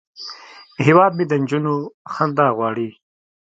هیواد مې د نجونو خندا غواړي